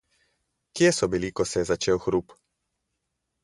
Kje so bili, ko se je začel hrup?